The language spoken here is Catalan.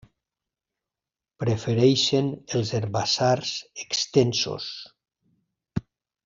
Prefereixen els herbassars extensos.